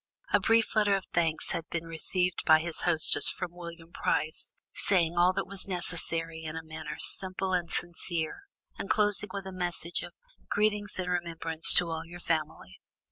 A brief letter of thanks had been received by his hostess from William Price, saying all that was necessary in a matter simple and sincere, and closing with a message of "greetings and remembrance to all your family."